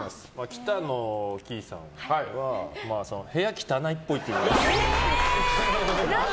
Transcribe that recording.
北乃きいさんは部屋汚いっぽいっていう。